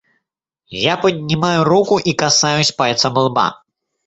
Я поднимаю руку и касаюсь пальцем лба.